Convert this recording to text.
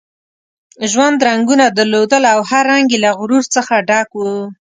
ژوند رنګونه درلودل او هر رنګ یې له غرور څخه ډک وو.